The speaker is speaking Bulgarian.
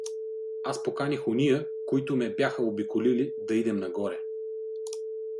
Аз поканих ония, които ме бяха обиколили, да идем нагоре.